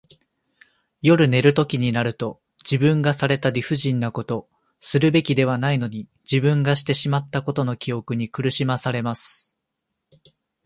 夜寝るときになると、自分がされた理不尽なこと、するべきではないのに自分がしてしまったことの記憶に苦しまされます。